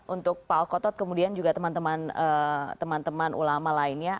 untuk pak alkotot kemudian juga teman teman ulama lainnya